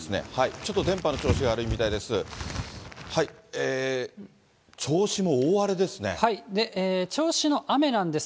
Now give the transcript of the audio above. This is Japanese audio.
ちょっと電波の調子が悪いみたいです。